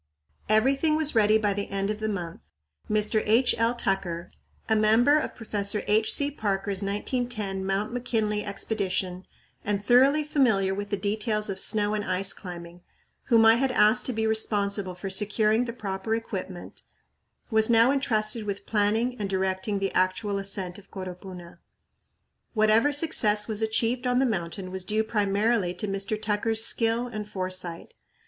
Everything was ready by the end of the month. Mr. H. L. Tucker, a member of Professor H. C. Parker's 1910 Mr. McKinley Expedition and thoroughly familiar with the details of snow and ice climbing, whom I had asked to be responsible for securing the proper equipment, was now entrusted with planning and directing the actual ascent of Coropuna. Whatever success was achieved on the mountain was due primarily to Mr. Tucker's skill and foresight.